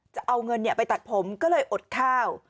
จะเอาเงินไปตัดผมก็เลยอดข้าว